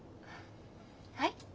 はい？